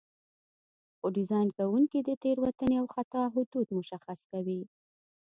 خو ډیزاین کوونکي د تېروتنې او خطا حدود مشخص کوي.